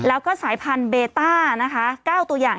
แล้วก็สายพันธุเบต้านะคะ๙ตัวอย่าง